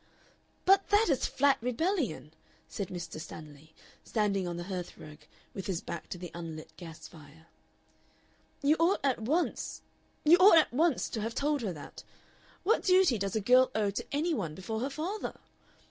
'" "But that is flat rebellion!" said Mr. Stanley, standing on the hearthrug with his back to the unlit gas fire. "You ought at once you ought at once to have told her that. What duty does a girl owe to any one before her father?